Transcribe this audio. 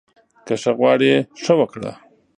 که ښه غواړې، ښه وکړه